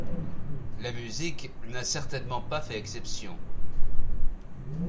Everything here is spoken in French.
La musique n'a certainement pas fait exception.